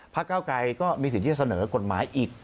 เก้าไกรก็มีสิทธิ์ที่จะเสนอกฎหมายอีก